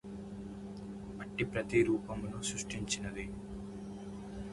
అట్టి ప్రతిరూపమును సృష్టించినది